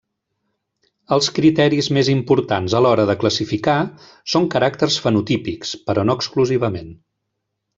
Els criteris més importants a l'hora de classificar són caràcters fenotípics, però no exclusivament.